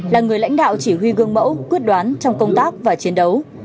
là người lãnh đạo chỉ huy gương mẫu quyết đoán trong công tác và chiến đấu